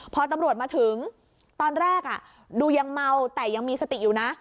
พอตำรวจมาถึงตอนแรกดูยังเมาแต่ยังมีสติอยู่นะ